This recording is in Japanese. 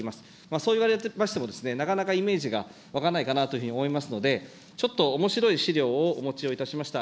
そういわれましても、なかなかイメージが湧かないかなというふうに思いますので、ちょっとおもしろい資料をお持ちをいたしました。